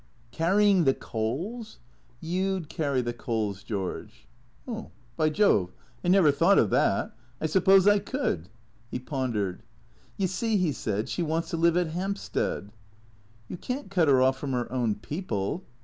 "Carrying the coals?" " You 'd carry the coals, George." " By Jove, I never thought of that. I suppose I could." He pondered. " You see," he said, " she wants to live at Hampstead." " You can't cut her off from her own people."